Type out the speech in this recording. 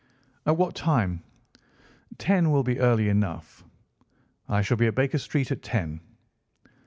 "At what time?" "Ten will be early enough." "I shall be at Baker Street at ten."